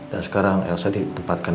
dan sekarang elsa ditempatkan